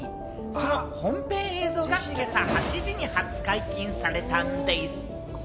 その本編映像が今朝８時に初解禁されたんでぃす。